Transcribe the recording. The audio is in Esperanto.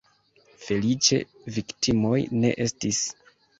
Feliĉe, viktimoj ne estis.